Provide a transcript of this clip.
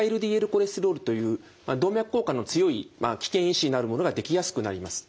コレステロールという動脈硬化の強い危険因子になるものができやすくなります。